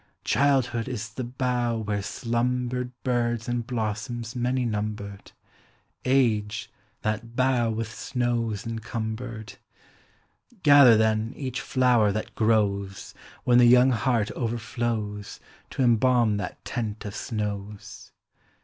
Childhood is the bough whore slumbered Birds aud blossoms many numbered ;— Age, that bough with suows encumbered. Gather, theu. each flower that grows, When the young heart overflows, To embalm that tent of snows.